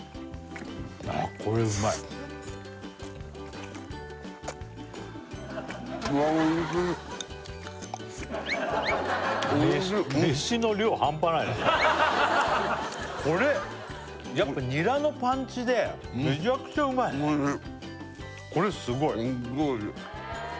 これうまいおいしいこれやっぱニラのパンチでめちゃくちゃうまいねおいしいこれすごいすっごいおいしい